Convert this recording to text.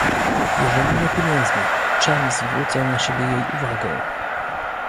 "Jeżeli nie pieniędzmi, czem zwrócę na siebie jej uwagę?..."